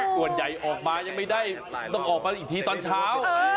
ส่วนใหญ่ออกมายังไม่ได้ต้องออกมาอีกทีตอนเช้า